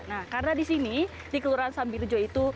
nah karena di sini di kelurahan sambirjo itu